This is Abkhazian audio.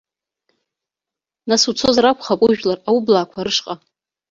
Нас уцозар акәхап ужәлар аублаақәа рышҟа.